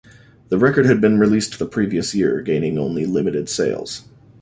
The record had been released the previous year, gaining only limited sales.